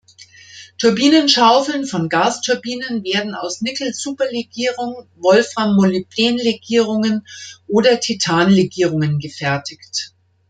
Turbinenschaufeln von Gasturbinen werden aus Nickel-Superlegierung, Wolfram-Molybdän-Legierungen oder Titan-Legierungen gefertigt.